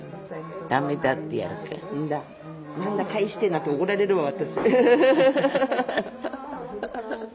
「何だ帰して」なんて怒られるわ私。